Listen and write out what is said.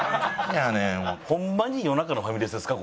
ホンマに夜中のファミレスですか